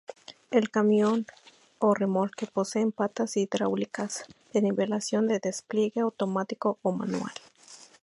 El camión o remolque poseen patas hidráulicas de nivelación de despliegue automático o manual.